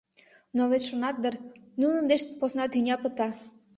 — Но вет шонат дыр: нунын деч посна тӱня пыта!